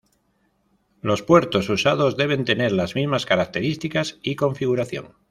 Los puertos usados deben tener las mismas características y configuración.